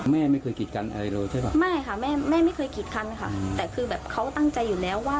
แม่ไม่เคยกีดกันอะไรเลยใช่ป่ะไม่ค่ะแม่แม่ไม่เคยกีดคันค่ะแต่คือแบบเขาตั้งใจอยู่แล้วว่า